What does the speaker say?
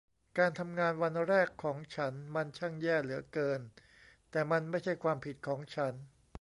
การทำงานวันแรกของฉันมันช่างแย่เหลือเกิน แต่มันไม่ใช่ความผิดของฉัน